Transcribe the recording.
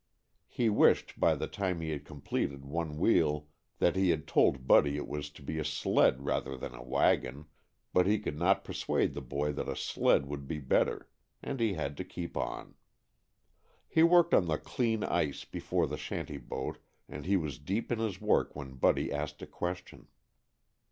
He wished, by the time he had completed one wheel, that he had told Buddy it was to be a sled rather than a wagon, but he could not persuade the boy that a sled would be better, and he had to keep on. He worked on the clean ice before the shanty boat and he was deep in his work when Buddy asked a question.